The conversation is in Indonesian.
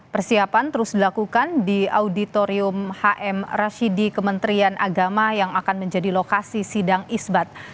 persiapan terus dilakukan di auditorium hm rashidi kementerian agama yang akan menjadi lokasi sidang isbat